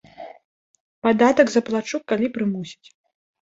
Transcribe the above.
Падатак заплачу, калі прымусяць.